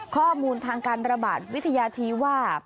ข้อมูลทางการระบาดวิทยาชี้ว่า